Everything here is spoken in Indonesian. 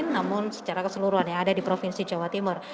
namun secara keseluruhan yang ada di provinsi jawa timur